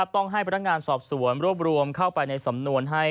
ต้องให้พนักงานสอบสวนรวบรวมเข้าไปในสำนวนให้